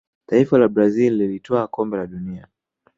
taifa la brazil lilitwaa Kombe la dunia